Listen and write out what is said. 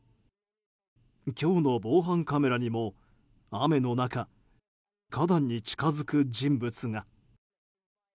今日の防犯カメラにも雨の中、花壇に近づく人物が。